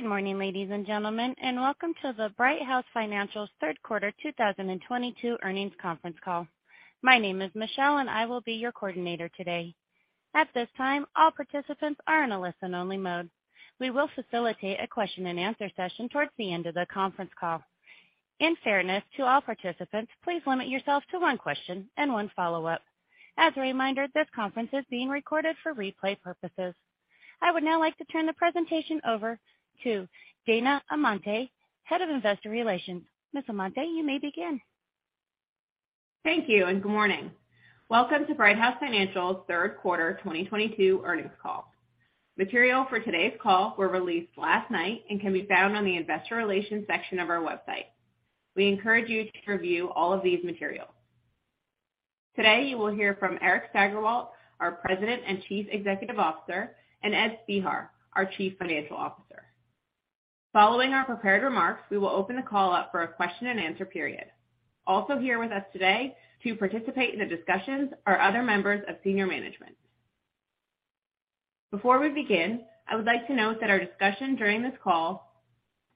Good morning, ladies and gentlemen, and welcome to Brighthouse Financial's third quarter 2022 earnings conference call. My name is Michelle, and I will be your coordinator today. At this time, all participants are in a listen-only mode. We will facilitate a question and answer session towards the end of the conference call. In fairness to all participants, please limit yourself to one question and one follow-up. As a reminder, this conference is being recorded for replay purposes. I would now like to turn the presentation over to Dana Amante, Head of Investor Relations. Ms. Amante, you may begin. Thank you. Good morning. Welcome to Brighthouse Financial's third quarter 2022 earnings call. Material for today's call were released last night and can be found on the investor relations section of our website. We encourage you to review all of these materials. Today, you will hear from Eric Steigerwalt, our President and Chief Executive Officer, and Ed Spehar, our Chief Financial Officer. Following our prepared remarks, we will open the call up for a question and answer period. Also here with us today to participate in the discussions are other members of senior management. Before we begin, I would like to note that our discussion during this call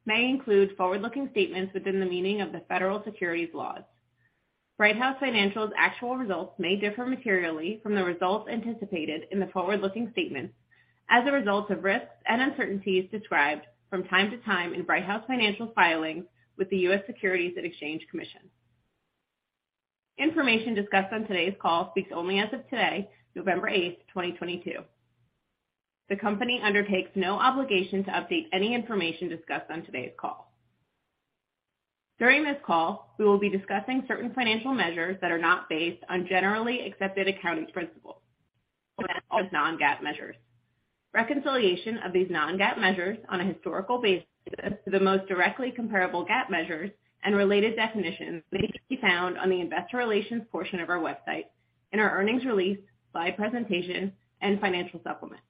may include forward-looking statements within the meaning of the federal securities laws. Brighthouse Financial's actual results may differ materially from the results anticipated in the forward-looking statements as a result of risks and uncertainties described from time to time in Brighthouse Financial's filings with the U.S. Securities and Exchange Commission. Information discussed on today's call speaks only as of today, November 8th, 2022. The company undertakes no obligation to update any information discussed on today's call. During this call, we will be discussing certain financial measures that are not based on generally accepted accounting principles. That's all non-GAAP measures. Reconciliation of these non-GAAP measures on a historical basis to the most directly comparable GAAP measures and related definitions may be found on the investor relations portion of our website, in our earnings release, slide presentation, and financial supplement.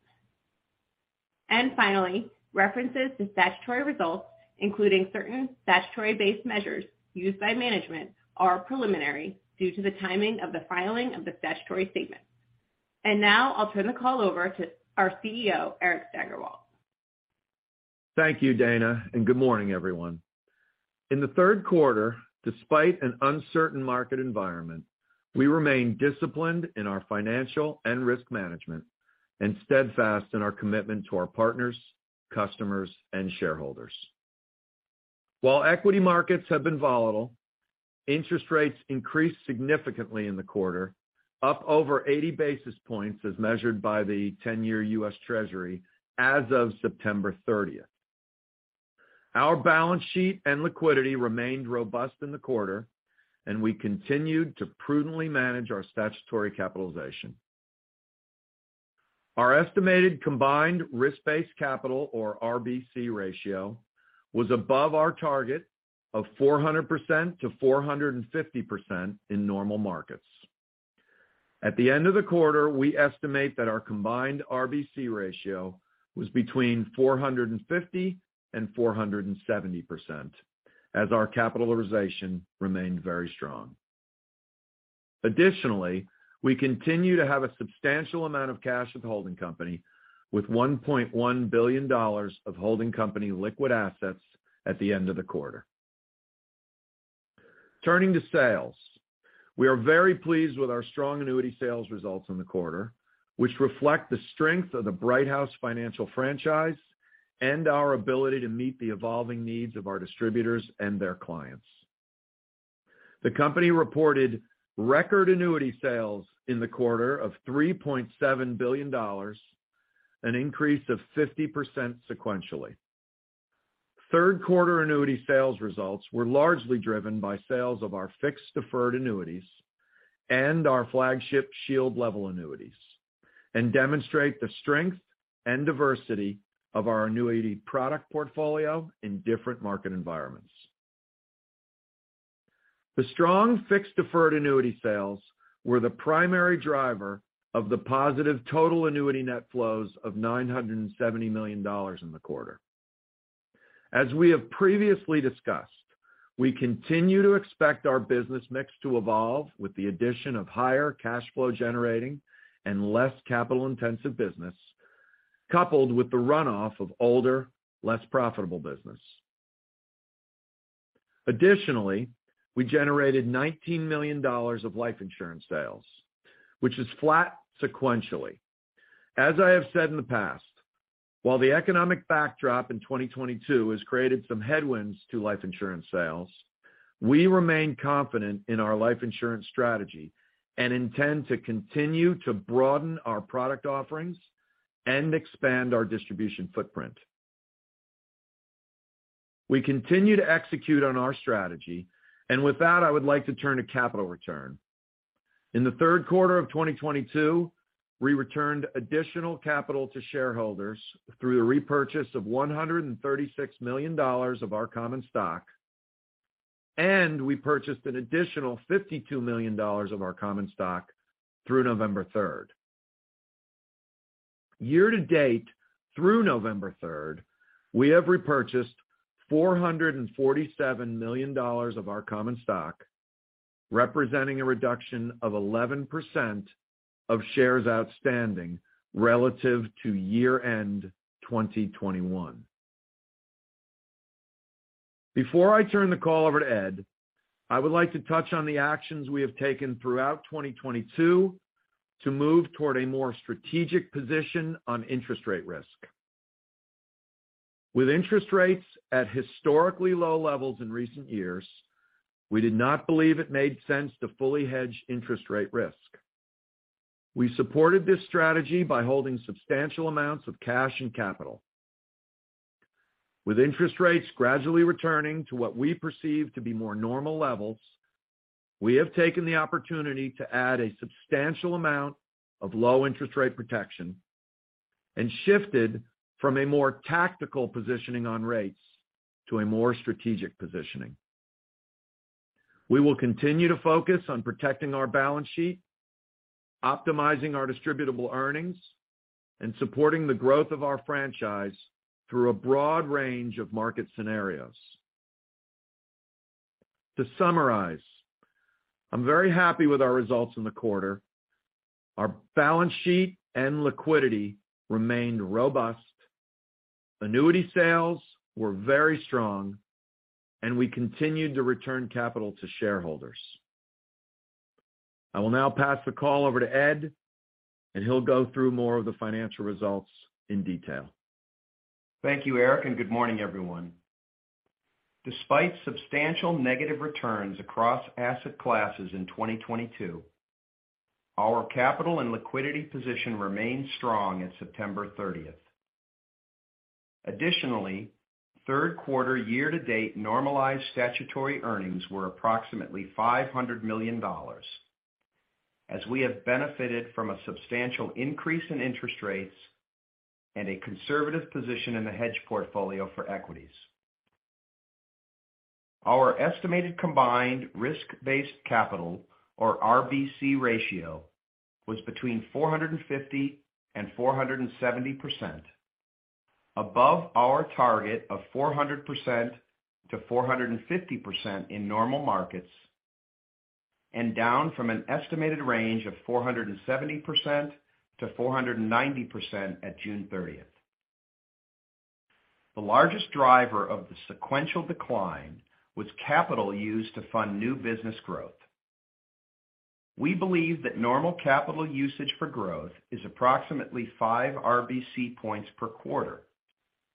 Finally, references to statutory results, including certain statutory-based measures used by management, are preliminary due to the timing of the filing of the statutory statement. Now I'll turn the call over to our CEO, Eric Steigerwalt. Thank you, Dana, and good morning, everyone. In the third quarter, despite an uncertain market environment, we remain disciplined in our financial and risk management and steadfast in our commitment to our partners, customers, and shareholders. While equity markets have been volatile, interest rates increased significantly in the quarter, up over 80 basis points as measured by the 10-year U.S. Treasury as of September 30th. Our balance sheet and liquidity remained robust in the quarter, and we continued to prudently manage our statutory capitalization. Our estimated combined risk-based capital or RBC ratio was above our target of 400%-450% in normal markets. At the end of the quarter, we estimate that our combined RBC ratio was between 450% and 470%, as our capitalization remained very strong. Additionally, we continue to have a substantial amount of cash at the holding company with $1.1 billion of holding company liquid assets at the end of the quarter. Turning to sales, we are very pleased with our strong annuity sales results in the quarter, which reflect the strength of the Brighthouse Financial franchise and our ability to meet the evolving needs of our distributors and their clients. The company reported record annuity sales in the quarter of $3.7 billion, an increase of 50% sequentially. Third quarter annuity sales results were largely driven by sales of our fixed deferred annuities and our flagship Shield Level Annuities, and demonstrate the strength and diversity of our annuity product portfolio in different market environments. The strong fixed deferred annuity sales were the primary driver of the positive total annuity net flows of $970 million in the quarter. As we have previously discussed, we continue to expect our business mix to evolve with the addition of higher cash flow generating and less capital-intensive business, coupled with the runoff of older, less profitable business. Additionally, we generated $19 million of life insurance sales, which is flat sequentially. As I have said in the past, while the economic backdrop in 2022 has created some headwinds to life insurance sales, we remain confident in our life insurance strategy and intend to continue to broaden our product offerings and expand our distribution footprint. We continue to execute on our strategy. With that, I would like to turn to capital return. In the third quarter of 2022, we returned additional capital to shareholders through the repurchase of $136 million of our common stock. We purchased an additional $52 million of our common stock through November 3rd. Year to date, through November 3rd, we have repurchased $447 million of our common stock, representing a reduction of 11% of shares outstanding relative to year-end 2021. Before I turn the call over to Ed, I would like to touch on the actions we have taken throughout 2022 to move toward a more strategic position on interest rate risk. With interest rates at historically low levels in recent years, we did not believe it made sense to fully hedge interest rate risk. We supported this strategy by holding substantial amounts of cash and capital. With interest rates gradually returning to what we perceive to be more normal levels, we have taken the opportunity to add a substantial amount of low interest rate protection and shifted from a more tactical positioning on rates to a more strategic positioning. We will continue to focus on protecting our balance sheet, optimizing our distributable earnings, and supporting the growth of our franchise through a broad range of market scenarios. To summarize, I'm very happy with our results in the quarter. Our balance sheet and liquidity remained robust, annuity sales were very strong, and we continued to return capital to shareholders. I will now pass the call over to Ed, and he'll go through more of the financial results in detail. Thank you, Eric, and good morning, everyone. Despite substantial negative returns across asset classes in 2022, our capital and liquidity position remained strong at September 30th. Additionally, third quarter year-to-date normalized statutory earnings were approximately $500 million as we have benefited from a substantial increase in interest rates and a conservative position in the hedge portfolio for equities. Our estimated combined risk-based capital, or RBC ratio, was between 450%-470%, above our target of 400%-450% in normal markets, and down from an estimated range of 470%-490% at June 30th. The largest driver of the sequential decline was capital used to fund new business growth. We believe that normal capital usage for growth is approximately five RBC points per quarter,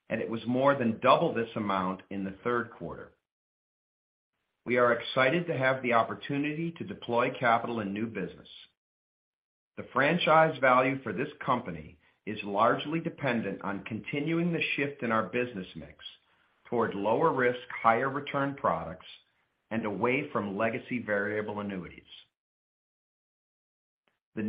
and it was more than double this amount in the third quarter. We are excited to have the opportunity to deploy capital in new business. The franchise value for this company is largely dependent on continuing the shift in our business mix toward lower risk, higher return products, and away from legacy variable annuities. We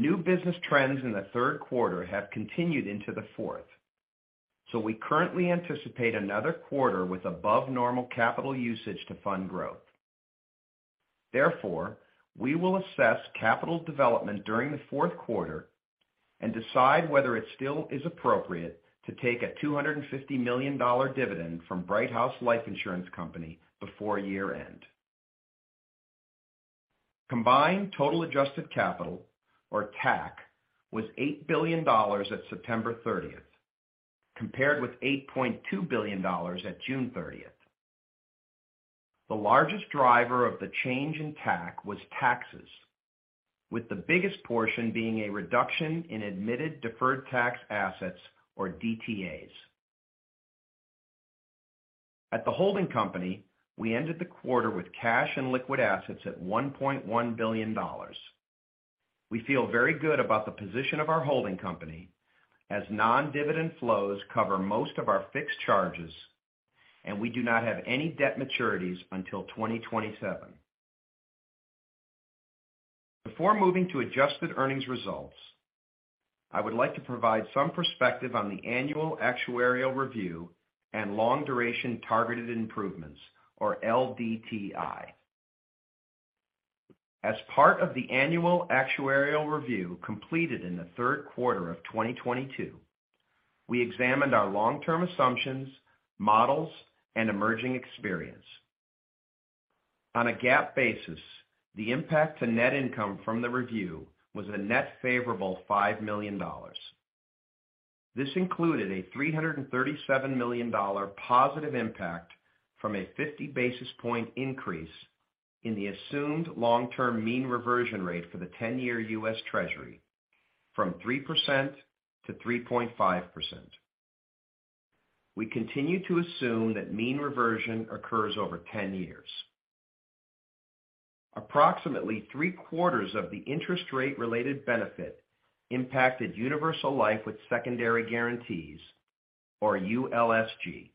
currently anticipate another quarter with above normal capital usage to fund growth. Therefore, we will assess capital development during the fourth quarter and decide whether it still is appropriate to take a $250 million dividend from Brighthouse Life Insurance Company before year-end. Combined, total adjusted capital, or TAC, was $8 billion at September 30th, compared with $8.2 billion at June 30th. The largest driver of the change in TAC was taxes, with the biggest portion being a reduction in admitted deferred tax assets, or DTAs. At the holding company, we ended the quarter with cash and liquid assets at $1.1 billion. We feel very good about the position of our holding company, as non-dividend flows cover most of our fixed charges, and we do not have any debt maturities until 2027. Before moving to adjusted earnings results, I would like to provide some perspective on the annual actuarial review and long duration targeted improvements, or LDTI. As part of the annual actuarial review completed in the third quarter of 2022, we examined our long-term assumptions, models, and emerging experience. On a GAAP basis, the impact to net income from the review was a net favorable $5 million. This included a $337 million positive impact from a 50 basis point increase in the assumed long-term mean reversion rate for the 10-year U.S. Treasury from 3%-3.5%. We continue to assume that mean reversion occurs over 10 years. Approximately three-quarters of the interest rate related benefit impacted universal life with secondary guarantees, or ULSG,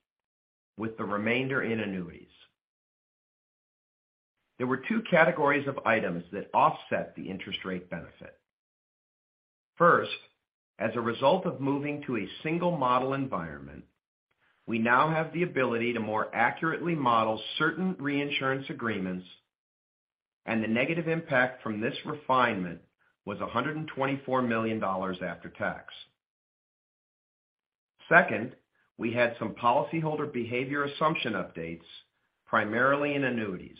with the remainder in annuities. There were two categories of items that offset the interest rate benefit. First, as a result of moving to a single model environment, we now have the ability to more accurately model certain reinsurance agreements, and the negative impact from this refinement was $124 million after tax. Second, we had some policyholder behavior assumption updates, primarily in annuities.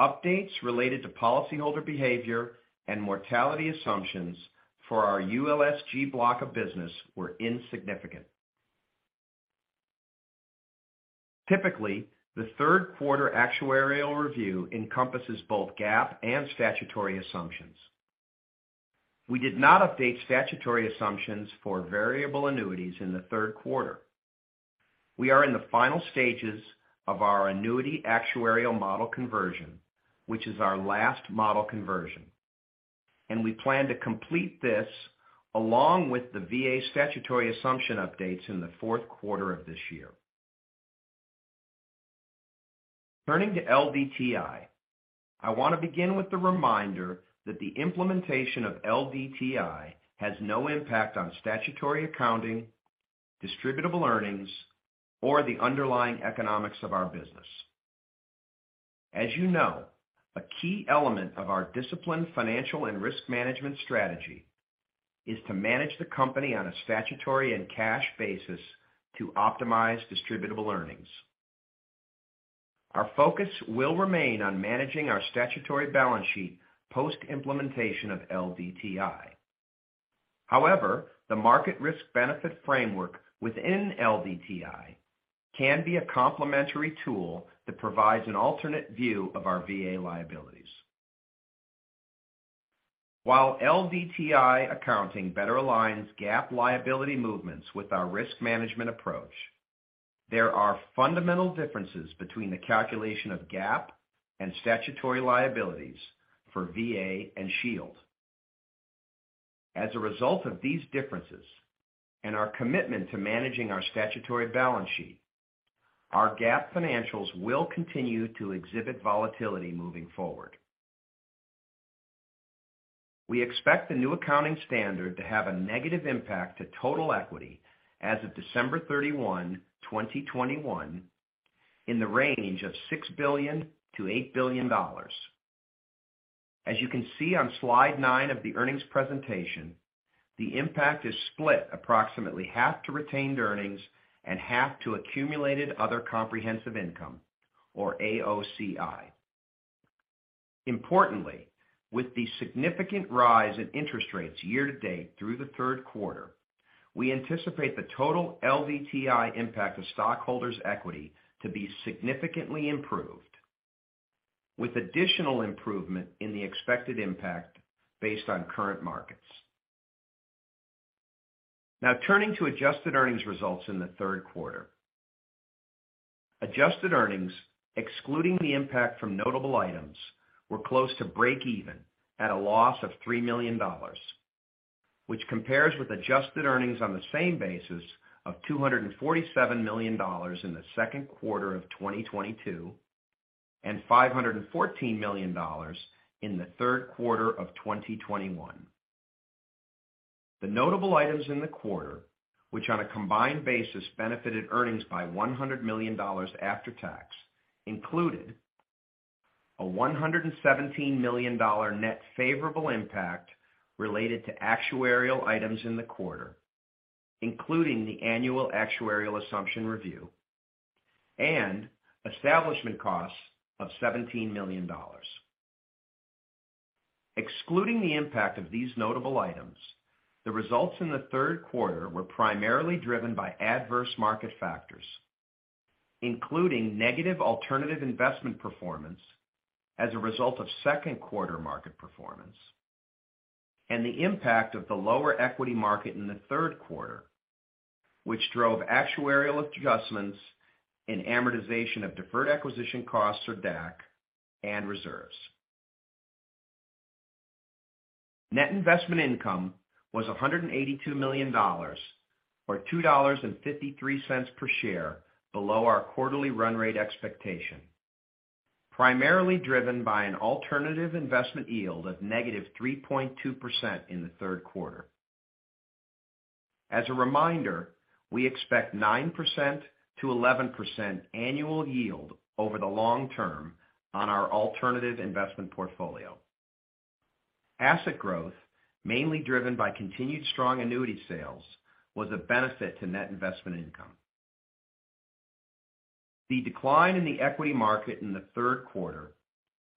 Updates related to policyholder behavior and mortality assumptions for our ULSG block of business were insignificant. Typically, the third quarter actuarial review encompasses both GAAP and statutory assumptions. We did not update statutory assumptions for variable annuities in the third quarter. We are in the final stages of our annuity actuarial model conversion, which is our last model conversion, and we plan to complete this along with the VA statutory assumption updates in the fourth quarter of this year. Turning to LDTI, I want to begin with the reminder that the implementation of LDTI has no impact on statutory accounting, distributable earnings, or the underlying economics of our business. As you know, a key element of our disciplined financial and risk management strategy is to manage the company on a statutory and cash basis to optimize distributable earnings. Our focus will remain on managing our statutory balance sheet post-implementation of LDTI. However, the market risk benefit framework within LDTI can be a complementary tool that provides an alternate view of our VA liabilities. While LDTI accounting better aligns GAAP liability movements with our risk management approach, there are fundamental differences between the calculation of GAAP and statutory liabilities for VA and Shield. As a result of these differences and our commitment to managing our statutory balance sheet, our GAAP financials will continue to exhibit volatility moving forward. We expect the new accounting standard to have a negative impact to total equity as of December 31, 2021, in the range of $6 billion-$8 billion. As you can see on slide nine of the earnings presentation, the impact is split approximately half to retained earnings and half to accumulated other comprehensive income, or AOCI. Importantly, with the significant rise in interest rates year to date through the third quarter, we anticipate the total LDTI impact of stockholders' equity to be significantly improved, with additional improvement in the expected impact based on current markets. Now turning to adjusted earnings results in the third quarter. Adjusted earnings, excluding the impact from notable items, were close to breakeven at a loss of $3 million, which compares with adjusted earnings on the same basis of $247 million in the second quarter of 2022 and $514 million in the third quarter of 2021. The notable items in the quarter, which on a combined basis benefited earnings by $100 million after tax, included a $117 million net favorable impact related to actuarial items in the quarter, including the annual actuarial assumption review and establishment costs of $17 million. Excluding the impact of these notable items, the results in the third quarter were primarily driven by adverse market factors, including negative alternative investment performance as a result of second quarter market performance, and the impact of the lower equity market in the third quarter, which drove actuarial adjustments in amortization of deferred acquisition costs, or DAC, and reserves. Net investment income was $182 million, or $2.53 per share below our quarterly run rate expectation, primarily driven by an alternative investment yield of -3.2% in the third quarter. As a reminder, we expect 9%-11% annual yield over the long term on our alternative investment portfolio. Asset growth, mainly driven by continued strong annuity sales, was a benefit to net investment income. The decline in the equity market in the third quarter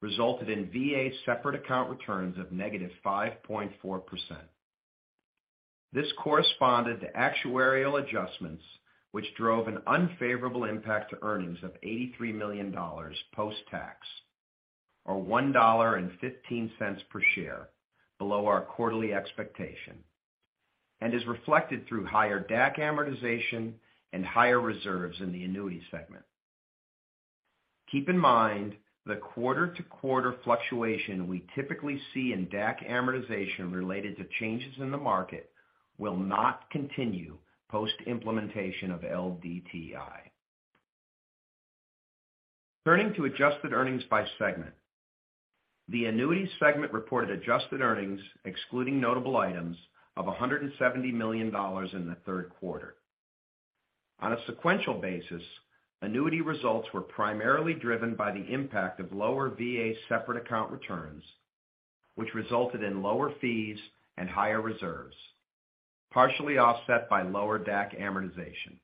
resulted in VA separate account returns of -5.4%. This corresponded to actuarial adjustments, which drove an unfavorable impact to earnings of $83 million post-tax, or $1.15 per share below our quarterly expectation, and is reflected through higher DAC amortization and higher reserves in the annuity segment. Keep in mind, the quarter-to-quarter fluctuation we typically see in DAC amortization related to changes in the market will not continue post-implementation of LDTI. Turning to adjusted earnings by segment. The annuities segment reported adjusted earnings excluding notable items of $170 million in the third quarter. On a sequential basis, annuity results were primarily driven by the impact of lower VA separate account returns, which resulted in lower fees and higher reserves, partially offset by lower DAC amortization.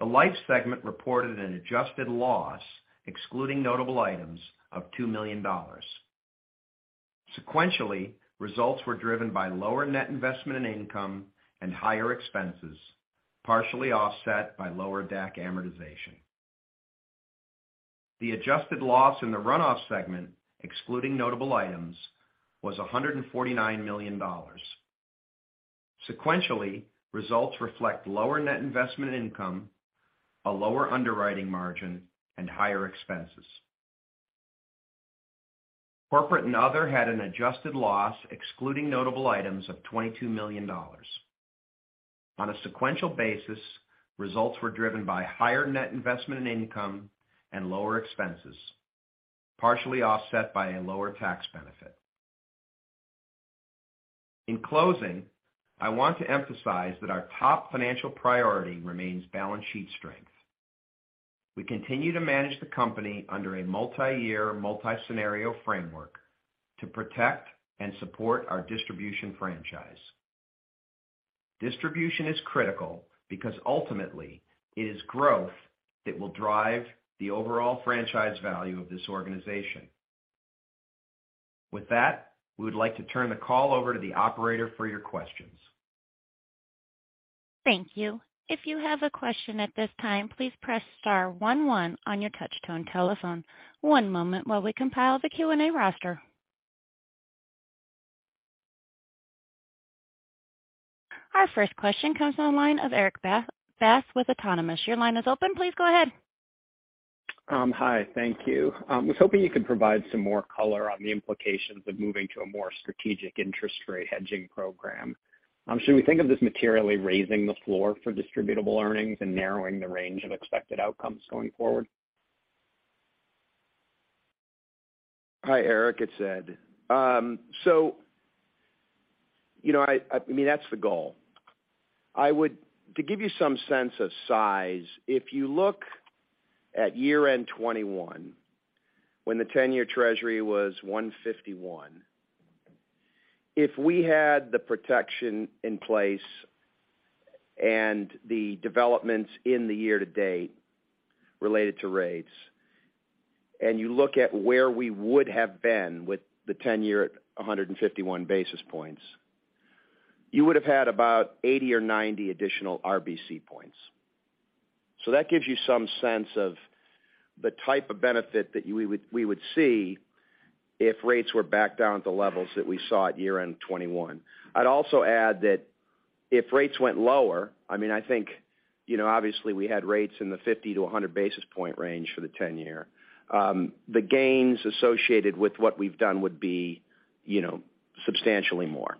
The life segment reported an adjusted loss, excluding notable items of $2 million. Sequentially, results were driven by lower net investment income and higher expenses, partially offset by lower DAC amortization. The adjusted loss in the runoff segment, excluding notable items, was $149 million. Sequentially, results reflect lower net investment income, a lower underwriting margin, and higher expenses. Corporate and other had an adjusted loss, excluding notable items, of $22 million. On a sequential basis, results were driven by higher net investment income and lower expenses, partially offset by a lower tax benefit. In closing, I want to emphasize that our top financial priority remains balance sheet strength. We continue to manage the company under a multi-year, multi-scenario framework to protect and support our distribution franchise. Distribution is critical because ultimately it is growth that will drive the overall franchise value of this organization. With that, we would like to turn the call over to the operator for your questions. Thank you. If you have a question at this time, please press star one one on your touchtone telephone. One moment while we compile the Q&A roster. Our first question comes on the line of Erik Bass with Autonomous. Your line is open. Please go ahead. Hi, thank you. I was hoping you could provide some more color on the implications of moving to a more strategic interest rate hedging program. Should we think of this materially raising the floor for distributable earnings and narrowing the range of expected outcomes going forward? Hi, Eric, it's Ed. That's the goal. To give you some sense of size, if you look at year-end 2021, when the 10-year U.S. Treasury was 151, if we had the protection in place and the developments in the year to date related to rates, and you look at where we would have been with the 10-year at 151 basis points, you would have had about 80 or 90 additional RBC points. That gives you some sense of the type of benefit that we would see if rates were back down at the levels that we saw at year-end 2021. I'd also add that if rates went lower, I think obviously we had rates in the 50 to 100 basis point range for the 10-year. The gains associated with what we've done would be substantially more.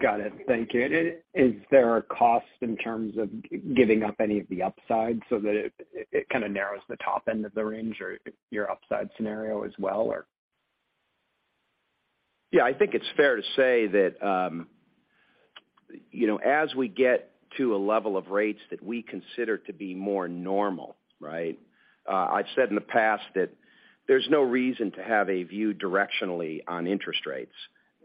Got it. Thank you. Is there a cost in terms of giving up any of the upside so that it kind of narrows the top end of the range or your upside scenario as well? Yeah, I think it's fair to say that as we get to a level of rates that we consider to be more normal, I've said in the past that there's no reason to have a view directionally on interest rates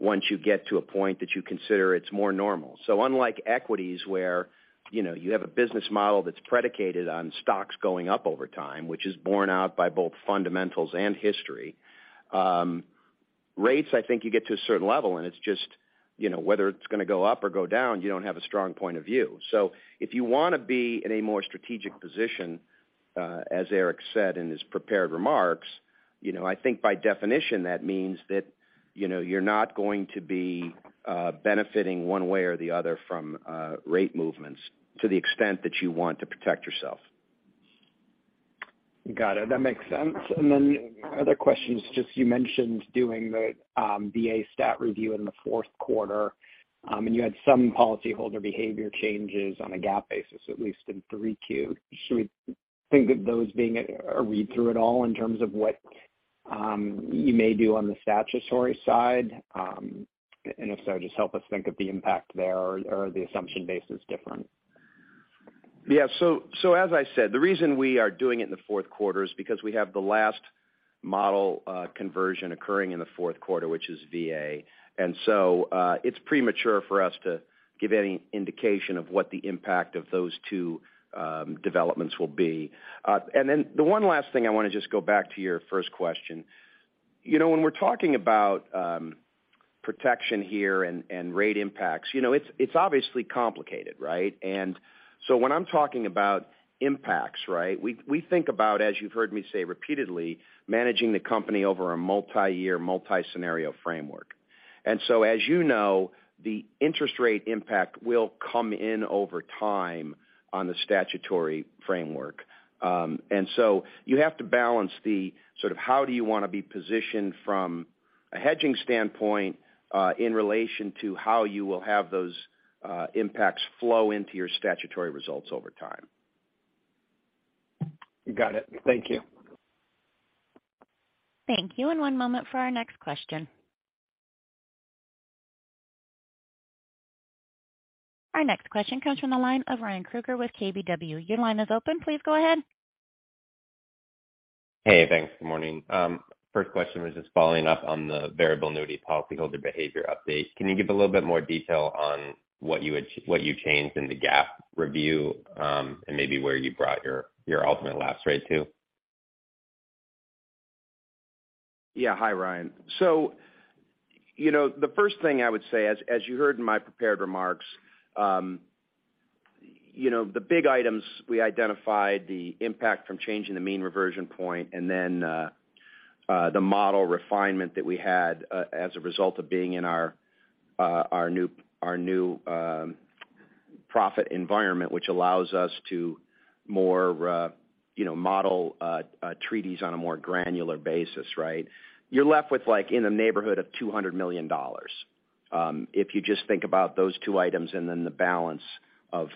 once you get to a point that you consider it's more normal. Unlike equities, where you have a business model that's predicated on stocks going up over time, which is borne out by both fundamentals and history, rates I think you get to a certain level, and it's just whether it's going to go up or go down, you don't have a strong point of view. If you want to be in a more strategic position, as Eric said in his prepared remarks, I think by definition that means that you're not going to be benefiting one way or the other from rate movements to the extent that you want to protect yourself. Got it. That makes sense. The other question is just you mentioned doing the VA stat review in the fourth quarter, and you had some policyholder behavior changes on a GAAP basis, at least in 3Q. Should we think of those being a read-through at all in terms of what you may do on the statutory side? If so, just help us think of the impact there, or are the assumption bases different? Yeah. As I said, the reason we are doing it in the fourth quarter is because we have the last model conversion occurring in the fourth quarter, which is VA. It's premature for us to give any indication of what the impact of those two developments will be. The one last thing I want to just go back to your first question. When we're talking about protection here and rate impacts, it's obviously complicated. When I'm talking about impacts, we think about, as you've heard me say repeatedly, managing the company over a multi-year, multi-scenario framework. As you know, the interest rate impact will come in over time on the statutory framework. You have to balance the how do you want to be positioned from a hedging standpoint in relation to how you will have those impacts flow into your statutory results over time. Got it. Thank you. Thank you. One moment for our next question. Our next question comes from the line of Ryan Krueger with KBW. Your line is open. Please go ahead. Hey, thanks. Good morning. First question was just following up on the variable annuity policyholder behavior update. Can you give a little bit more detail on what you changed in the GAAP review, and maybe where you brought your ultimate lapse rate to? Hi, Ryan. The first thing I would say, as you heard in my prepared remarks, the big items we identified, the impact from changing the mean reversion point and then the model refinement that we had as a result of being in our new profit environment, which allows us to model treaties on a more granular basis, right? You're left with in the neighborhood of $200 million. If you just think about those two items and then the balance of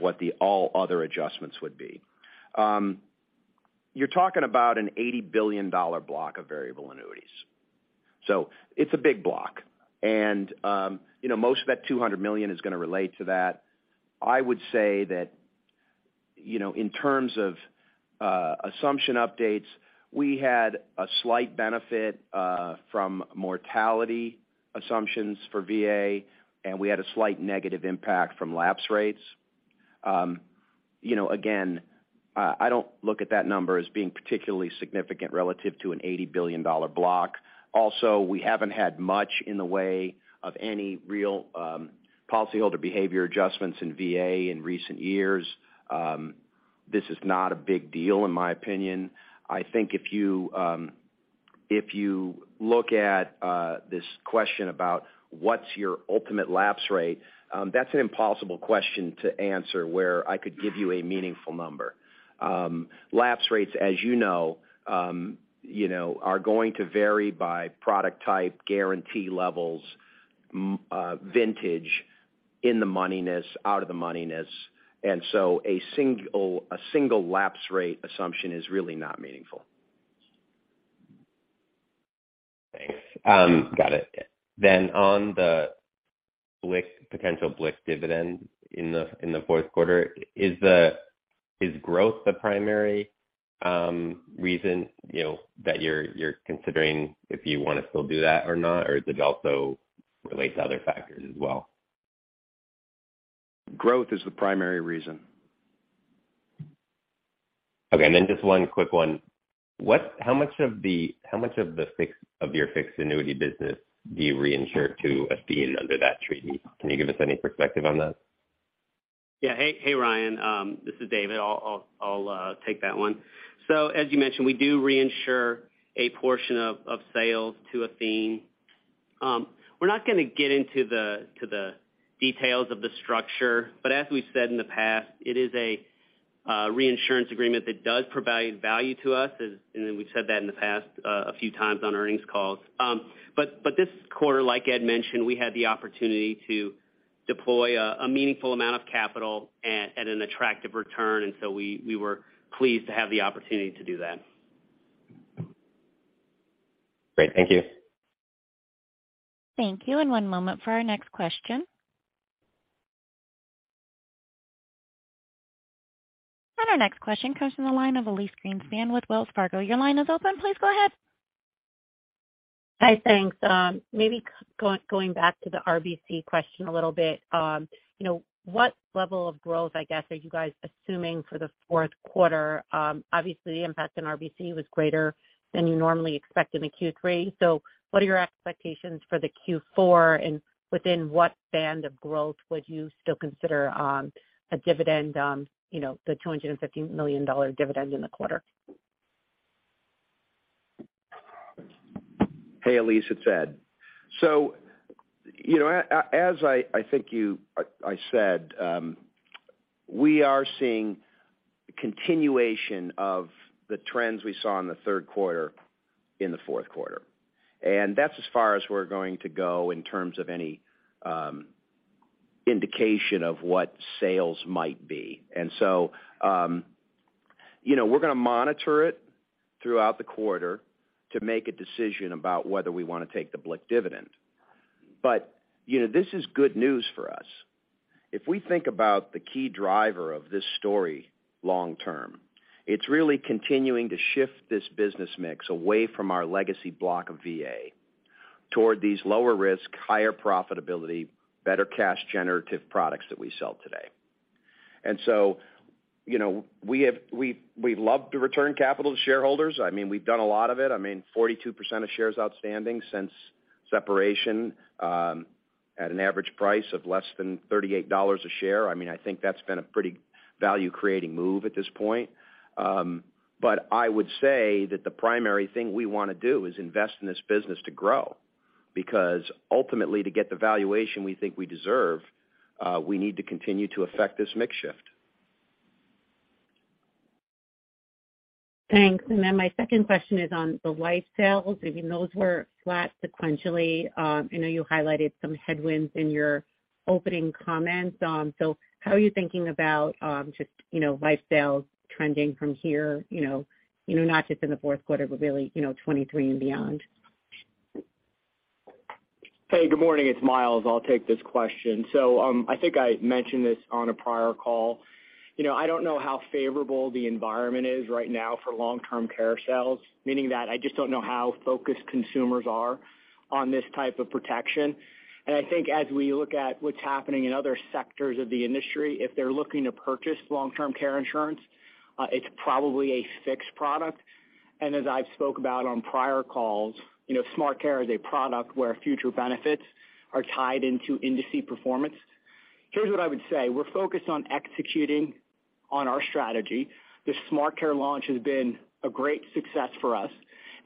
what the all other adjustments would be. You're talking about an $80 billion block of variable annuities. It's a big block. Most of that $200 million is going to relate to that. I would say that in terms of assumption updates, we had a slight benefit from mortality assumptions for VA, and we had a slight negative impact from lapse rates. I don't look at that number as being particularly significant relative to an $80 billion block. We haven't had much in the way of any real policyholder behavior adjustments in VA in recent years. This is not a big deal, in my opinion. I think if you look at this question about what's your ultimate lapse rate, that's an impossible question to answer where I could give you a meaningful number. Lapse rates, as you know, are going to vary by product type, guarantee levels, vintage, in the moneyness, out of the moneyness. A single lapse rate assumption is really not meaningful. Thanks. Got it. On the potential BLIC dividend in the fourth quarter, is growth the primary reason that you're considering if you want to still do that or not? Does it also relate to other factors as well? Growth is the primary reason. Okay. Just one quick one. How much of your fixed annuity business do you reinsure to Athene under that treaty? Can you give us any perspective on that? Yeah. Hey, Ryan. This is David. I will take that one. As you mentioned, we do reinsure a portion of sales to Athene. We are not going to get into the details of the structure, but as we have said in the past, it is a reinsurance agreement that does provide value to us, and we have said that in the past a few times on earnings calls. This quarter, like Ed mentioned, we had the opportunity to deploy a meaningful amount of capital at an attractive return. We were pleased to have the opportunity to do that. Great. Thank you. Thank you. One moment for our next question. Our next question comes from the line of Elyse Greenspan with Wells Fargo. Your line is open. Please go ahead. Hi. Thanks. Maybe going back to the RBC question a little bit. What level of growth, I guess, are you guys assuming for the fourth quarter? Obviously, the impact on RBC was greater than you normally expect in a Q3. What are your expectations for the Q4? Within what band of growth would you still consider the $250 million dividend in the quarter? Hey, Elyse, it's Ed. As I think I said, we are seeing continuation of the trends we saw in the third quarter in the fourth quarter. That's as far as we're going to go in terms of any indication of what sales might be. We're going to monitor it throughout the quarter to make a decision about whether we want to take the BLIC dividend. This is good news for us. If we think about the key driver of this story long term, it's really continuing to shift this business mix away from our legacy block of VA toward these lower risk, higher profitability, better cash generative products that we sell today. I mean, we've done a lot of it. I mean, 42% of shares outstanding since separation at an average price of less than $38 a share. I think that's been a pretty value-creating move at this point. I would say that the primary thing we want to do is invest in this business to grow, because ultimately, to get the valuation we think we deserve, we need to continue to affect this mix shift. Thanks. My second question is on the life sales. Given those were flat sequentially, I know you highlighted some headwinds in your opening comments. How are you thinking about just life sales trending from here not just in the fourth quarter, but really 2023 and beyond? Hey, good morning. It's Myles. I'll take this question. I think I mentioned this on a prior call. I don't know how favorable the environment is right now for long-term care sales, meaning that I just don't know how focused consumers are on this type of protection. I think as we look at what's happening in other sectors of the industry, if they're looking to purchase long-term care insurance, it's probably a fixed product. As I've spoke about on prior calls, SmartCare is a product where future benefits are tied into industry performance. Here's what I would say. We're focused on executing on our strategy. The SmartCare launch has been a great success for us,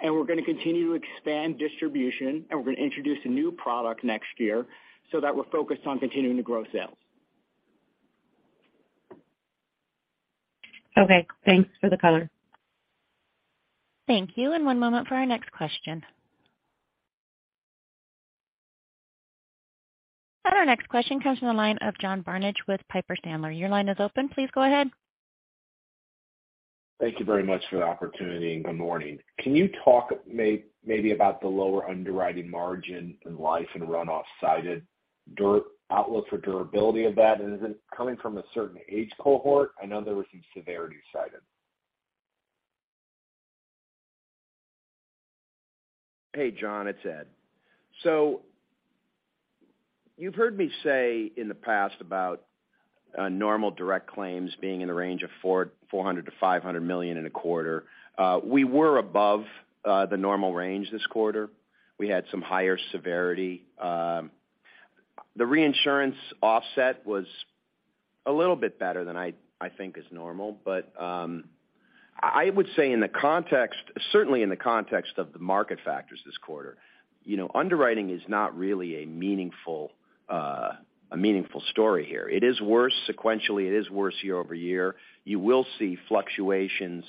and we're going to continue to expand distribution, and we're going to introduce a new product next year so that we're focused on continuing to grow sales. Okay, thanks for the color. Thank you. One moment for our next question. Our next question comes from the line of John Barnidge with Piper Sandler. Your line is open. Please go ahead. Thank you very much for the opportunity, good morning. Can you talk maybe about the lower underwriting margin in life and runoff cited, outlook for durability of that? Is it coming from a certain age cohort? I know there was some severity cited. Hey, John, it's Ed. You've heard me say in the past about normal direct claims being in the range of $400 million-$500 million in a quarter. We were above the normal range this quarter. We had some higher severity. The reinsurance offset was a little bit better than I think is normal. I would say certainly in the context of the market factors this quarter, underwriting is not really a meaningful story here. It is worse sequentially. It is worse year-over-year. You will see fluctuations,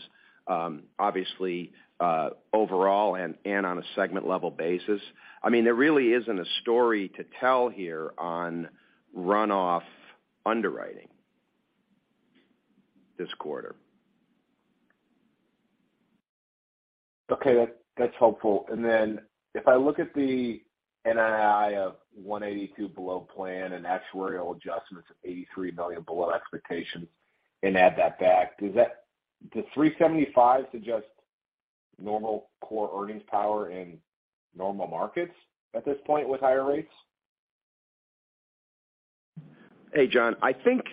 obviously, overall and on a segment level basis. There really isn't a story to tell here on runoff underwriting this quarter. Okay. That's helpful. Then if I look at the NII of 182 below plan and actuarial adjustments of $83 million below expectations and add that back, does 375 suggest normal core earnings power in normal markets at this point with higher rates? Hey, John. I think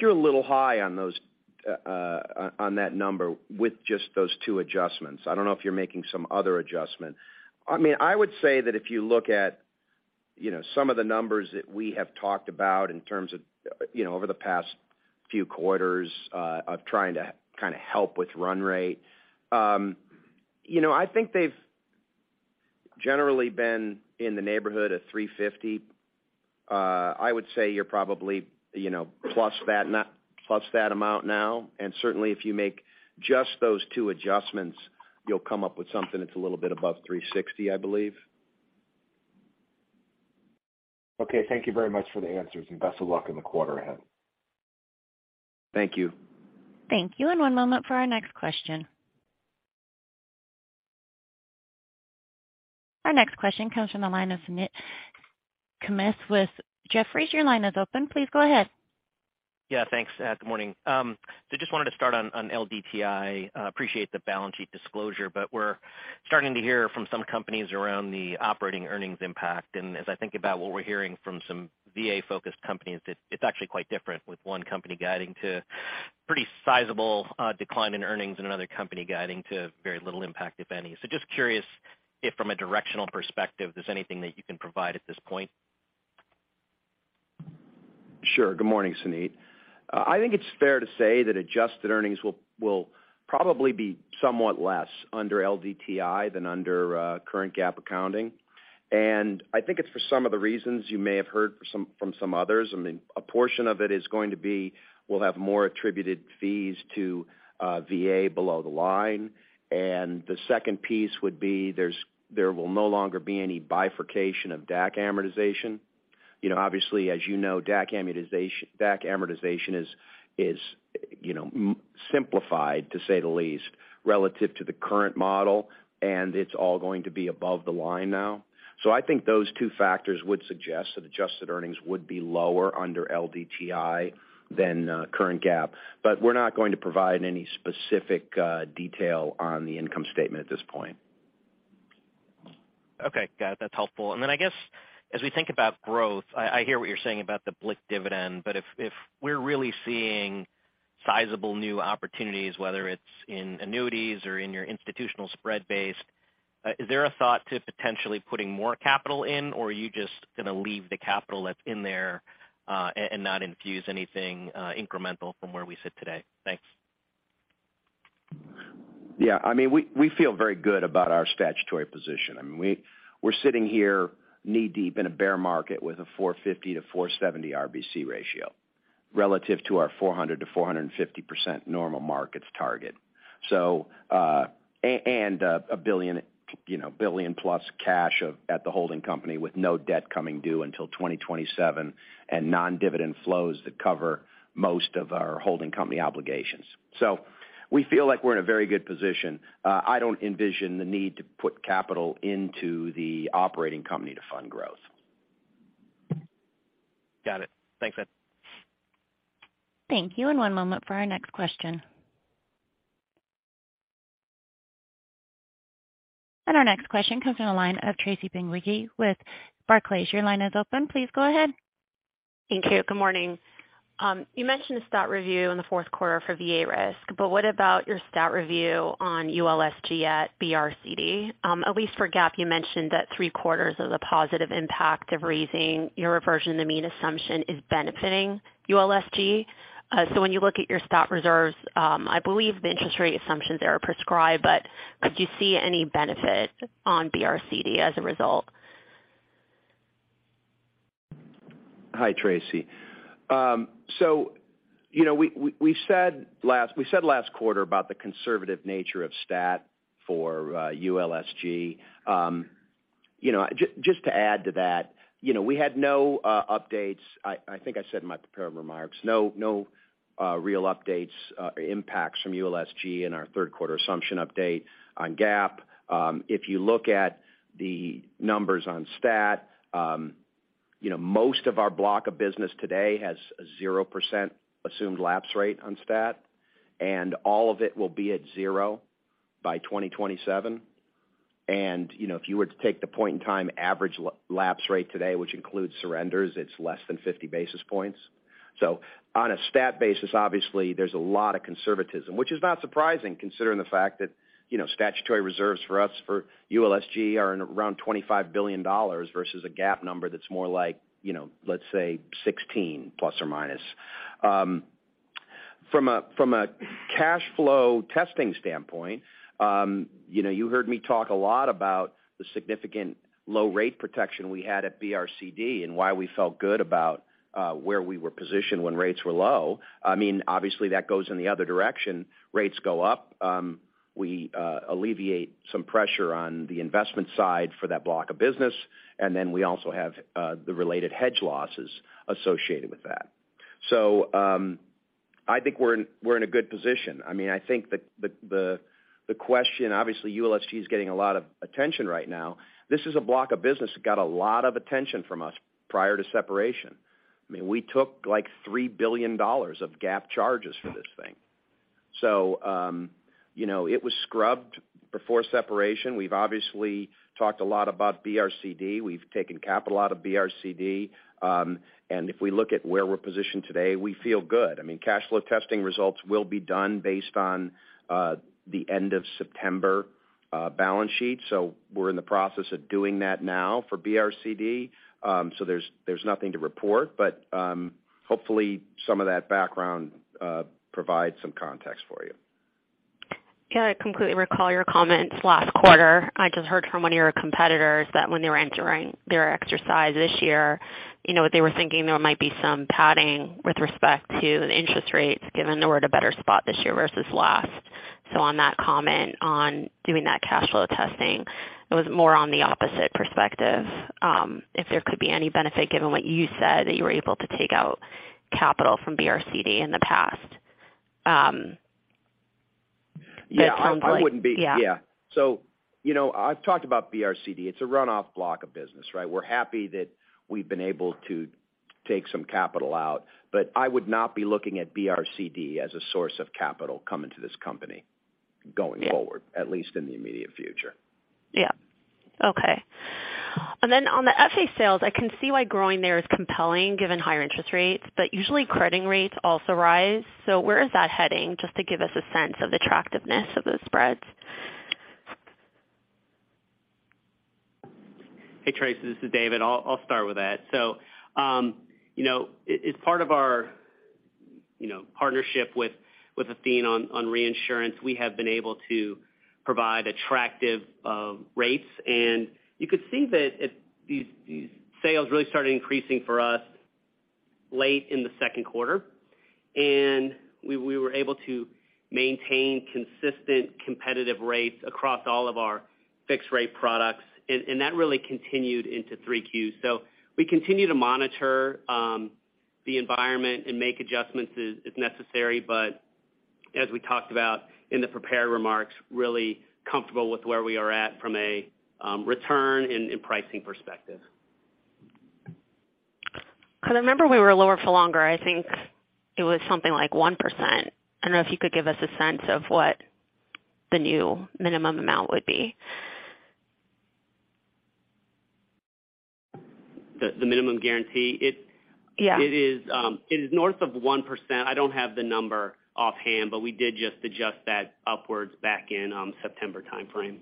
you're a little high on that number with just those two adjustments. I don't know if you're making some other adjustment. I would say that if you look at some of the numbers that we have talked about in terms of over the past few quarters of trying to kind of help with run rate. I think they've generally been in the neighborhood of 350. I would say you're probably plus that amount now. Certainly if you make just those two adjustments, you'll come up with something that's a little bit above 360, I believe. Okay. Thank you very much for the answers. Best of luck in the quarter ahead. Thank you. Thank you. One moment for our next question. Our next question comes from the line of Suneet Kamath with Jefferies. Your line is open. Please go ahead. Thanks. Good morning. Just wanted to start on LDTI. Appreciate the balance sheet disclosure, we're starting to hear from some companies around the operating earnings impact. As I think about what we're hearing from some VA-focused companies, it's actually quite different with one company guiding to pretty sizable decline in earnings and another company guiding to very little impact, if any. Just curious if from a directional perspective, there's anything that you can provide at this point. Sure. Good morning, Suneet. I think it's fair to say that adjusted earnings will probably be somewhat less under LDTI than under current GAAP accounting, I think it's for some of the reasons you may have heard from some others. A portion of it is going to be we'll have more attributed fees to VA below the line, the second piece would be there will no longer be any bifurcation of DAC amortization. Obviously, as you know, DAC amortization is simplified, to say the least, relative to the current model, it's all going to be above the line now. I think those two factors would suggest that adjusted earnings would be lower under LDTI than current GAAP. We're not going to provide any specific detail on the income statement at this point. Okay, got it. That's helpful. Then I guess as we think about growth, I hear what you're saying about the BLIC dividend, if we're really seeing sizable new opportunities, whether it's in annuities or in your institutional spread base, is there a thought to potentially putting more capital in, are you just going to leave the capital that's in there and not infuse anything incremental from where we sit today? Thanks. Yeah, we feel very good about our statutory position. We're sitting here knee-deep in a bear market with a 450-470 RBC ratio relative to our 400%-450% normal markets target. A $1 billion-plus cash at the holding company with no debt coming due until 2027 and non-dividend flows that cover most of our holding company obligations. We feel like we're in a very good position. I don't envision the need to put capital into the operating company to fund growth. Got it. Thanks, Ed. Thank you. One moment for our next question. Our next question comes from the line of Tracy Benguigui with Barclays. Your line is open. Please go ahead. Thank you. Good morning. You mentioned stat review in the fourth quarter for VA risk, what about your stat review on ULSG at BRCD? At least for GAAP, you mentioned that three quarters of the positive impact of raising your reversion to mean assumption is benefiting ULSG. When you look at your stat reserves, I believe the interest rate assumptions there are prescribed, but could you see any benefit on BRCD as a result? Hi, Tracy. We said last quarter about the conservative nature of stat for ULSG. Just to add to that, we had no updates, I think I said in my prepared remarks, no real updates or impacts from ULSG in our third quarter assumption update on GAAP. If you look at the numbers on stat, most of our block of business today has a zero percent assumed lapse rate on stat, and all of it will be at zero by 2027. If you were to take the point-in-time average lapse rate today, which includes surrenders, it's less than 50 basis points. On a stat basis, obviously, there's a lot of conservatism, which is not surprising considering the fact that statutory reserves for us for ULSG are around $25 billion versus a GAAP number that's more like, let's say, $16 billion plus or minus. From a cash flow testing standpoint, you heard me talk a lot about the significant low rate protection we had at BRCD and why we felt good about where we were positioned when rates were low. Obviously, that goes in the other direction. Rates go up, we alleviate some pressure on the investment side for that block of business, then we also have the related hedge losses associated with that. I think we're in a good position. I think the question, obviously, ULSG is getting a lot of attention right now. This is a block of business that got a lot of attention from us prior to separation. We took like $3 billion of GAAP charges for this thing. It was scrubbed before separation. We've obviously talked a lot about BRCD. We've taken capital out of BRCD. If we look at where we're positioned today, we feel good. Cash flow testing results will be done based on the end of September balance sheet. We're in the process of doing that now for BRCD. There's nothing to report, but hopefully some of that background provides some context for you. Yeah, I completely recall your comments last quarter. I just heard from one of your competitors that when they were entering their exercise this year, they were thinking there might be some padding with respect to the interest rates given they were at a better spot this year versus last. On that comment on doing that cash flow testing, it was more on the opposite perspective. If there could be any benefit given what you said, that you were able to take out capital from BRCD in the past. Yeah, I wouldn't be. Yeah. Yeah. I've talked about BRCD. It's a runoff block of business, right? We're happy that we've been able to take some capital out, but I would not be looking at BRCD as a source of capital coming to this company going forward, at least in the immediate future. Yeah. Okay. Then on the FA sales, I can see why growing there is compelling given higher interest rates, but usually crediting rates also rise. Where is that heading? Just to give us a sense of the attractiveness of those spreads. Hey, Tracy, this is David. I'll start with that. As part of our partnership with Athene on reinsurance, we have been able to provide attractive rates, and you could see that these sales really started increasing for us late in the second quarter. We were able to maintain consistent competitive rates across all of our fixed-rate products, and that really continued into three Qs. We continue to monitor the environment and make adjustments if necessary. As we talked about in the prepared remarks, really comfortable with where we are at from a return and pricing perspective. Because I remember we were lower for longer. I think it was something like 1%. I don't know if you could give us a sense of what the new minimum amount would be. The minimum guarantee? Yeah. It is north of 1%. I don't have the number offhand, but we did just adjust that upwards back in September timeframe.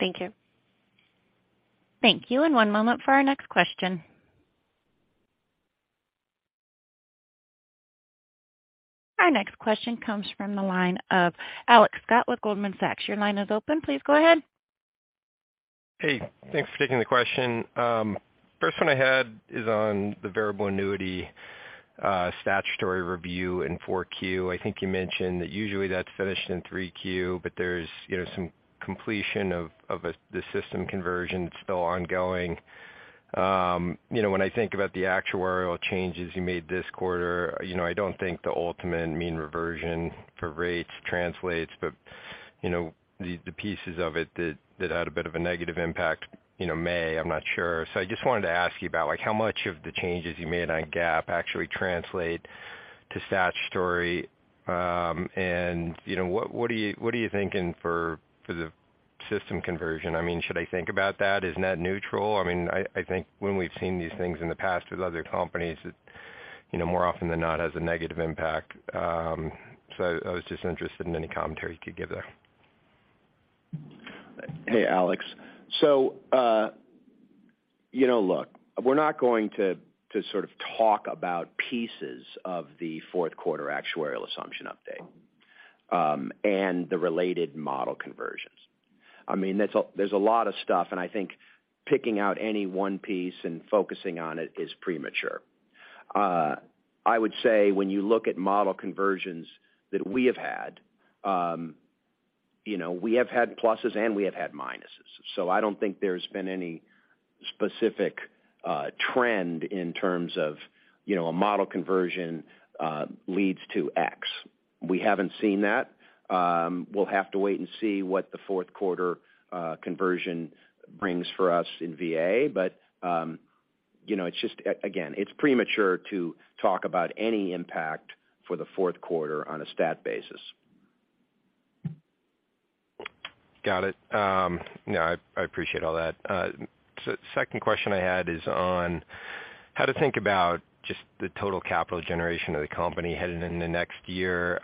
Thank you. One moment for our next question. Our next question comes from the line of Alex Scott with Goldman Sachs. Your line is open. Please go ahead. Thanks for taking the question. First one I had is on the variable annuity statutory review in 4Q. I think you mentioned that usually that's finished in 3Q, but there's some completion of the system conversion that's still ongoing. When I think about the actuarial changes you made this quarter, I don't think the ultimate mean reversion for rates translates, but the pieces of it that had a bit of a negative impact, may, I'm not sure. I just wanted to ask you about how much of the changes you made on GAAP actually translate to statutory? What are you thinking for the system conversion? Should I think about that? Isn't that neutral? I think when we've seen these things in the past with other companies, it more often than not, has a negative impact. I was just interested in any commentary you could give there. Alex. We're not going to talk about pieces of the fourth quarter actuarial assumption update, the related model conversions. There's a lot of stuff, I think picking out any one piece and focusing on it is premature. I would say when you look at model conversions that we have had, we have had pluses and we have had minuses. I don't think there's been any specific trend in terms of a model conversion leads to X. We haven't seen that. We'll have to wait and see what the fourth quarter conversion brings for us in VA. Again, it's premature to talk about any impact for the fourth quarter on a stat basis. Got it. I appreciate all that. Second question I had is on how to think about just the total capital generation of the company heading into next year.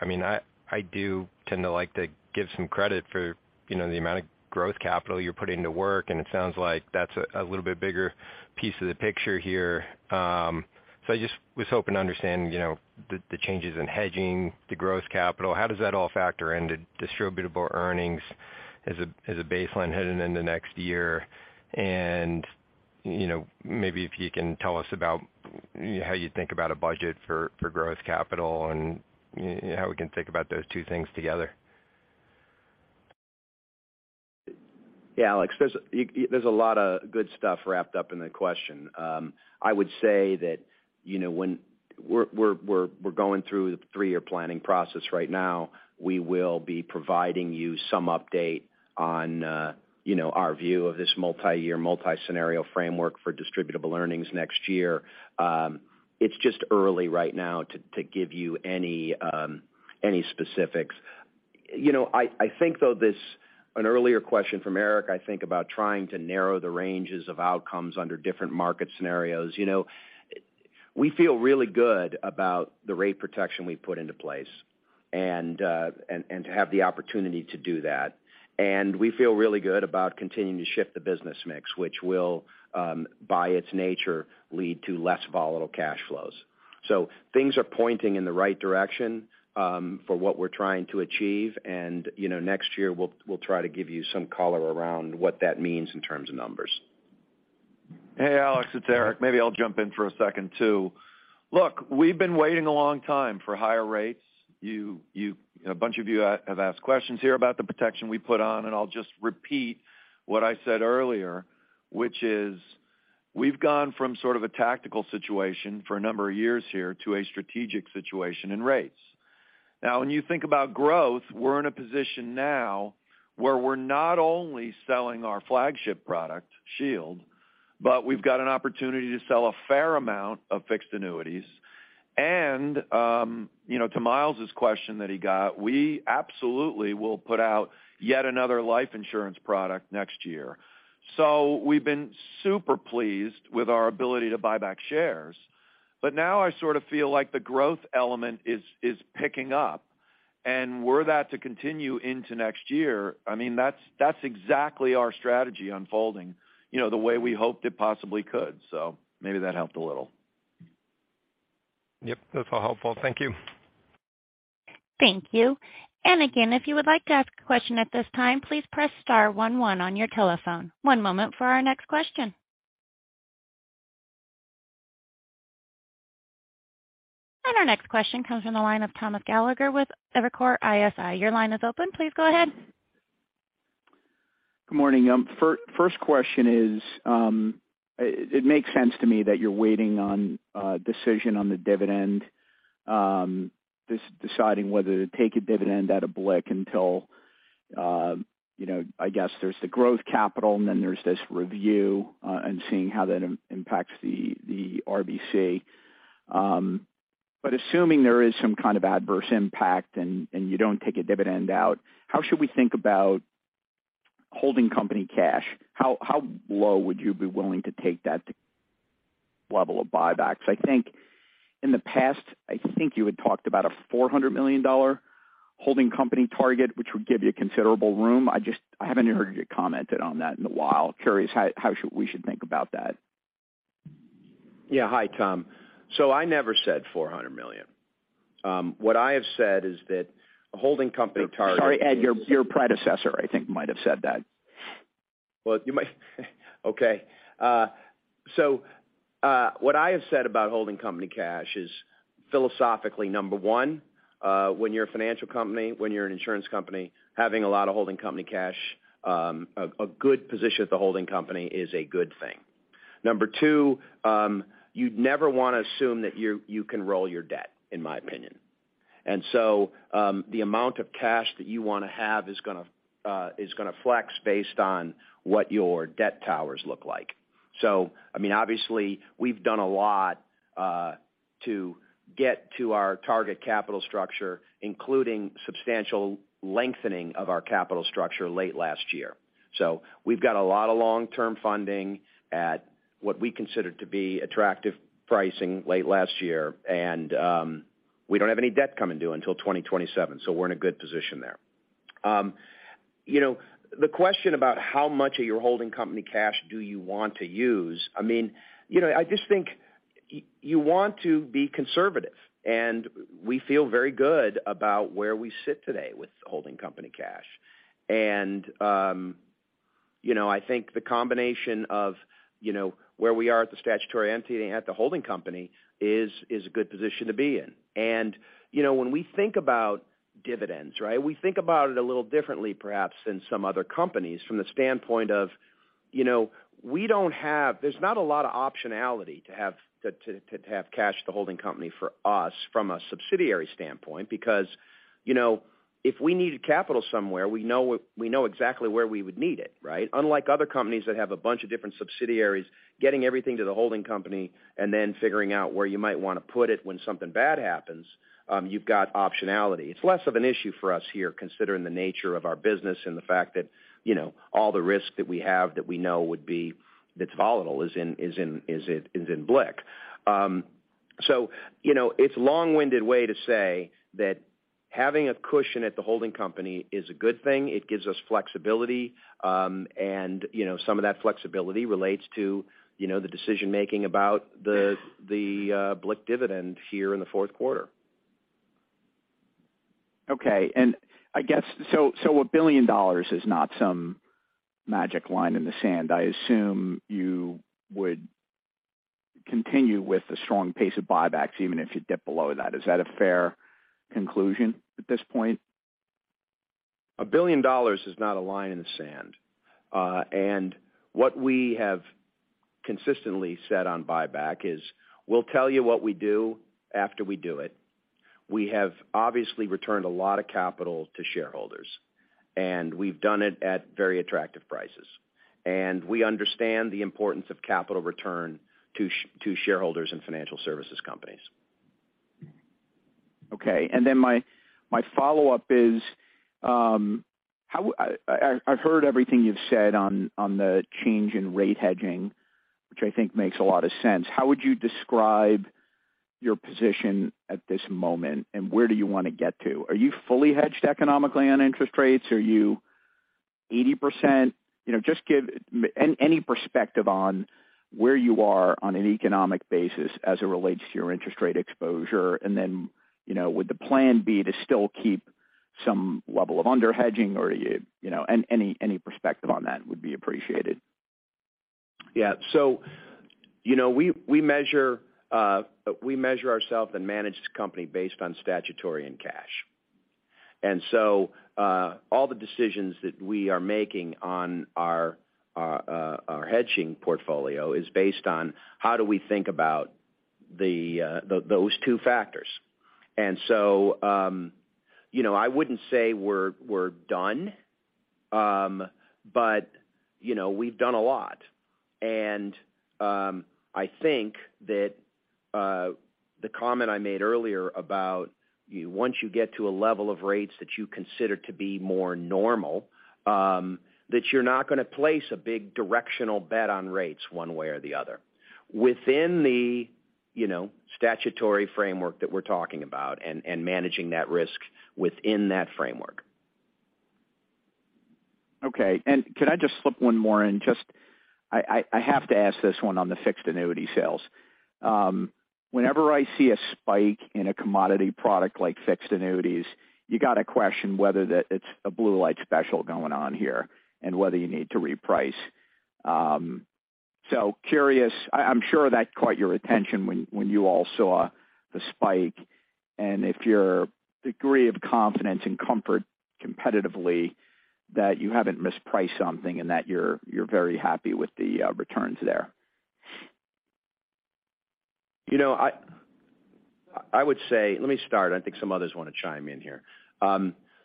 I do tend to like to give some credit for the amount of growth capital you're putting to work, and it sounds like that's a little bit bigger piece of the picture here. I just was hoping to understand the changes in hedging the gross capital. How does that all factor into distributable earnings as a baseline heading into next year? Maybe if you can tell us about how you think about a budget for gross capital, and how we can think about those two things together. Yeah, Alex, there's a lot of good stuff wrapped up in the question. I would say that we're going through the three-year planning process right now. We will be providing you some update on our view of this multi-year, multi-scenario framework for distributable earnings next year. It's just early right now to give you any specifics. I think, though, an earlier question from Erik, I think about trying to narrow the ranges of outcomes under different market scenarios. We feel really good about the rate protection we've put into place, and to have the opportunity to do that. We feel really good about continuing to shift the business mix, which will, by its nature, lead to less volatile cash flows. Things are pointing in the right direction for what we're trying to achieve, and next year, we'll try to give you some color around what that means in terms of numbers. Hey, Alex, it's Eric. Maybe I'll jump in for a second, too. Look, we've been waiting a long time for higher rates. A bunch of you have asked questions here about the protection we put on, and I'll just repeat what I said earlier, which is we've gone from sort of a tactical situation for a number of years here to a strategic situation in rates. Now, when you think about growth, we're in a position now where we're not only selling our flagship product, Shield, but we've got an opportunity to sell a fair amount of fixed annuities. To Myles's question that he got, we absolutely will put out yet another life insurance product next year. We've been super pleased with our ability to buy back shares. Now I sort of feel like the growth element is picking up. Were that to continue into next year, that's exactly our strategy unfolding the way we hoped it possibly could. Maybe that helped a little. Yep. That's all helpful. Thank you. Thank you. Again, if you would like to ask a question at this time, please press star one one on your telephone. One moment for our next question. Our next question comes from the line of Thomas Gallagher with Evercore ISI. Your line is open. Please go ahead. Good morning. First question is, it makes sense to me that you're waiting on a decision on the dividend, deciding whether to take a dividend out of BLIC until, I guess there's the growth capital, and then there's this review, and seeing how that impacts the RBC. Assuming there is some kind of adverse impact, and you don't take a dividend out, how should we think about holding company cash? How low would you be willing to take that level of buybacks? I think in the past you had talked about a $400 million holding company target, which would give you considerable room. I haven't heard you commented on that in a while. Curious how we should think about that. Yeah. Hi, Tom. I never said $400 million. Sorry, Ed, your predecessor, I think, might have said that. Well, okay. What I have said about holding company cash is philosophically, number 1, when you're a financial company, when you're an insurance company, having a lot of holding company cash, a good position at the holding company is a good thing. Number 2, you'd never want to assume that you can roll your debt, in my opinion. The amount of cash that you want to have is going to flex based on what your debt towers look like. Obviously, we've done a lot to get to our target capital structure, including substantial lengthening of our capital structure late last year. We've got a lot of long-term funding at what we consider to be attractive pricing late last year, and we don't have any debt coming due until 2027. We're in a good position there. The question about how much of your holding company cash do you want to use, I just think you want to be conservative, and we feel very good about where we sit today with holding company cash. I think the combination of where we are at the statutory entity and at the holding company is a good position to be in. When we think about dividends, we think about it a little differently perhaps than some other companies from the standpoint of, there's not a lot of optionality to have cash at the holding company for us from a subsidiary standpoint because if we needed capital somewhere, we know exactly where we would need it. Unlike other companies that have a bunch of different subsidiaries, getting everything to the holding company and then figuring out where you might want to put it when something bad happens, you've got optionality. It's less of an issue for us here considering the nature of our business and the fact that all the risk that we have that we know that's volatile is in BLIC. It's a long-winded way to say that having a cushion at the holding company is a good thing. It gives us flexibility. Some of that flexibility relates to the decision-making about the BLIC dividend here in the fourth quarter. Okay. I guess a $1 billion is not some magic line in the sand. I assume you would continue with the strong pace of buybacks even if you dip below that. Is that a fair conclusion at this point? $1 billion is not a line in the sand. What we have consistently said on buyback is we'll tell you what we do after we do it. We have obviously returned a lot of capital to shareholders, and we've done it at very attractive prices. We understand the importance of capital return to shareholders in financial services companies. Okay. My follow-up is, I've heard everything you've said on the change in rate hedging, which I think makes a lot of sense. How would you describe your position at this moment, and where do you want to get to? Are you fully hedged economically on interest rates? Are you 80%? Just give any perspective on where you are on an economic basis as it relates to your interest rate exposure, and then would the plan be to still keep some level of under-hedging? Any perspective on that would be appreciated. Yeah. We measure ourself and manage this company based on statutory and cash. All the decisions that we are making on our hedging portfolio is based on how do we think about those two factors. I wouldn't say we're done, but we've done a lot. I think that the comment I made earlier about once you get to a level of rates that you consider to be more normal, that you're not going to place a big directional bet on rates one way or the other within the statutory framework that we're talking about, and managing that risk within that framework. Okay. Can I just slip one more in? I have to ask this one on the fixed annuity sales. Whenever I see a spike in a commodity product like fixed annuities, you got to question whether it's a blue light special going on here and whether you need to reprice. Curious, I'm sure that caught your attention when you all saw the spike, and if your degree of confidence and comfort competitively that you haven't mispriced something and that you're very happy with the returns there. I would say, let me start. I think some others want to chime in here.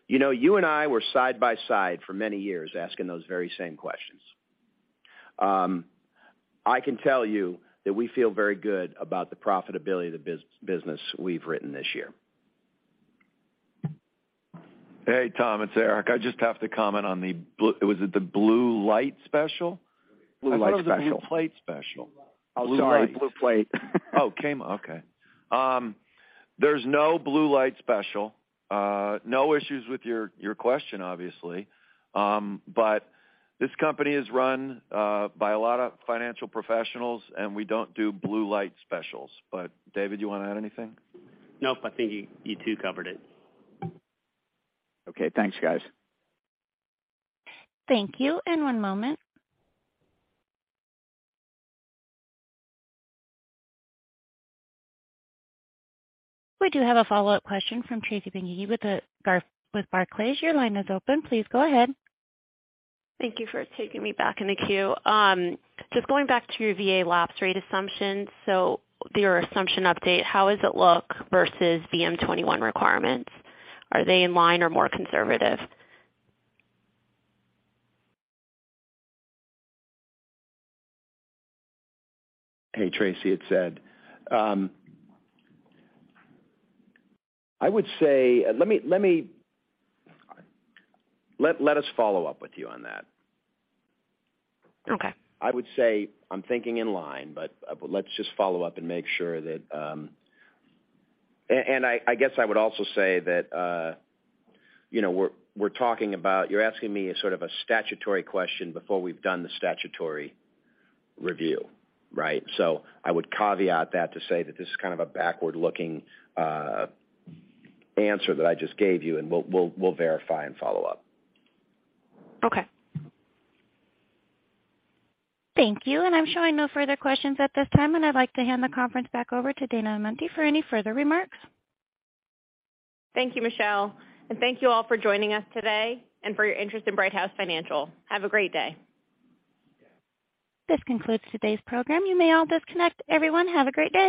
You and I were side by side for many years asking those very same questions. I can tell you that we feel very good about the profitability of the business we've written this year. Hey, Tom, it's Eric. I just have to comment on the blue. Was it the blue light special? Blue light special. I thought it was a blue plate special. Oh, sorry. Blue plate. Oh, okay. There's no blue light special. No issues with your question, obviously. This company is run by a lot of financial professionals, and we don't do blue light specials. David, you want to add anything? No, I think you two covered it. Okay. Thanks, guys. Thank you. One moment. We do have a follow-up question from Tracy Benguigui with Barclays. Your line is open. Please go ahead. Thank you for taking me back in the queue. Just going back to your VA lapse rate assumption. Your assumption update, how does it look versus VM-21 requirements? Are they in line or more conservative? Hey, Tracy. It's Ed. I would say, let us follow up with you on that. Okay. I would say I'm thinking in line, but let's just follow up and make sure. I guess I would also say that you're asking me a sort of a statutory question before we've done the statutory review, right? I would caveat that to say that this is kind of a backward-looking answer that I just gave you, and we'll verify and follow up. Okay. Thank you. I'm showing no further questions at this time, and I'd like to hand the conference back over to Dana Amante for any further remarks. Thank you, Michelle. Thank you all for joining us today and for your interest in Brighthouse Financial. Have a great day. This concludes today's program. You may all disconnect. Everyone have a great day.